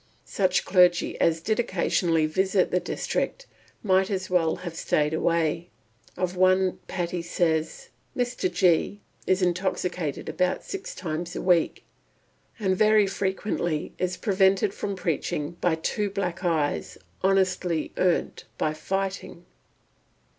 Such clergy as did occasionally visit the district might as well have stayed away. Of one Patty says, "Mr. G—— is intoxicated about six times a week, and very frequently is prevented from preaching by two black eyes, honestly earned by fighting."